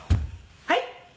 「はい？」。